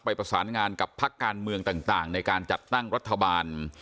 ประสานงานกับพักการเมืองต่างในการจัดตั้งรัฐบาล